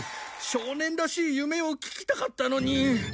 少年らしい夢を聞きたかったのに。